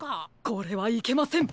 これはいけません！